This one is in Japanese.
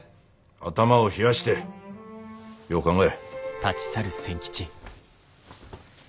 頭を冷やしてよう考ええ。